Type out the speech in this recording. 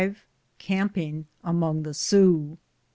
CAMPING AMONG THE SIOUX.